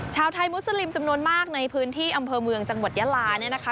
ชาวไทยมุสลิมจำนวนมากในพื้นที่อำเภอเมืองจังหวัดยาลาเนี่ยนะคะ